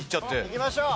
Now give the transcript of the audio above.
いきましょう！